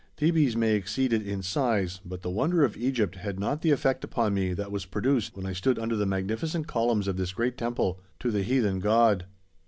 Thebes may exceed it in size, but the wonder of Egypt had not the effect upon me that was produced when I stood under the magnificent columns of this great temple to the heathen god.